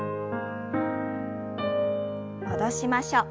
戻しましょう。